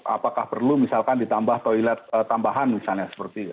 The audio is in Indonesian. apakah perlu misalkan ditambah toilet tambahan misalnya seperti